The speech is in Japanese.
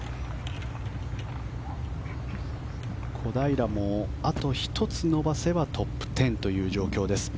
小平もあと１つ伸ばせばトップ１０という状況です。